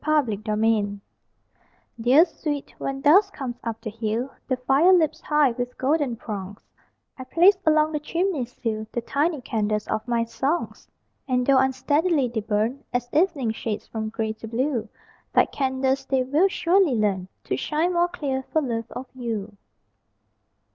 BAYBERRY CANDLES Dear sweet, when dusk comes up the hill, The fire leaps high with golden prongs; I place along the chimneysill The tiny candles of my songs. And though unsteadily they burn, As evening shades from gray to blue Like candles they will surely learn To shine more clear, for love of you.